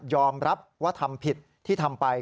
อมรับว่าทำผิดที่ทำไป